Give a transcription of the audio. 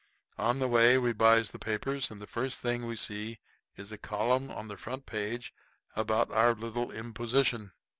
On the way we buys the papers, and the first thing we see is a column on the front page about our little imposition.